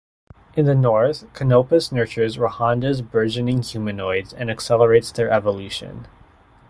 In the north, Canopus nurtures Rohanda's bourgeoning humanoids and accelerates their evolution.